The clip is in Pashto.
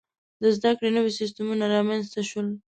• د زده کړې نوي سیستمونه رامنځته شول.